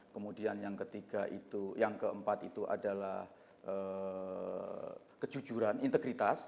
kemudian yang ketiga itu yang keempat itu adalah kejujuran integritas